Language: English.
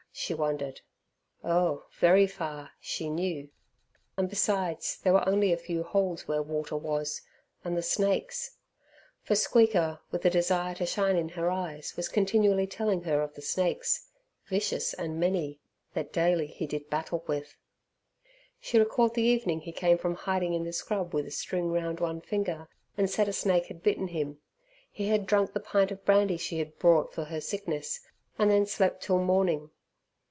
she wondered. Oh, very far, she knew, and besides there were only a few holes where water was, and the snakes; for Squeaker, with a desire to shine in her eyes, was continually telling her of snakes vicious and many that daily he did battle with. She recalled the evening he came from hiding in the scrub with a string round one finger, and said a snake had bitten him. He had drunk the pint of brandy she had brought for her sickness, and then slept till morning.